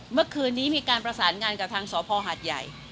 เมื่อคืนนี้มีการประสานงานกับทางสพหาดใหญ่